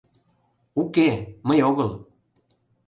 — Уке, мый огыл...